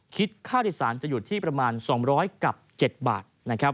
คิดค่าโดยสารจะอยู่ที่ประมาณ๒๐๗บาท